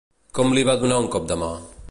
Com li va donar un cop de mà?